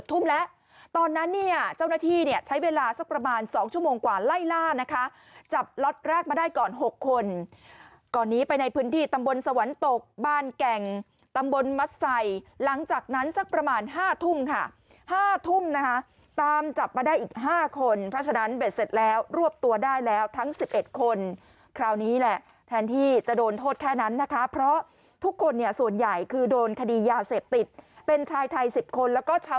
ทุ่มแล้วตอนนั้นเนี่ยเจ้าหน้าที่เนี่ยใช้เวลาสักประมาณ๒ชั่วโมงกว่าไล่ล่านะคะจับล็อตแรกมาได้ก่อน๖คนก่อนนี้ไปในพื้นที่ตำบลสวรรค์ตกบ้านแก่งตำบลมัดใส่หลังจากนั้นสักประมาณ๕ทุ่มค่ะ๕ทุ่มนะคะตามจับมาได้อีก๕คนเพราะฉะนั้นเบ็ดเสร็จแล้วรวบตัวได้แล้วทั้ง๑๑คนคราวนี้แหละแทนที่จะ